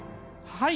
はい。